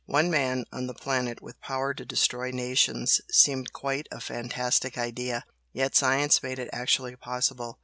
One man on the planet with power to destroy nations seemed quite a fantastic idea yet science made it actually possible!